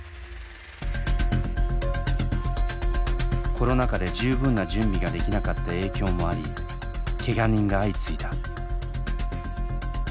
コロナ禍で十分な準備ができなかった影響もありケガ人が相次いだ。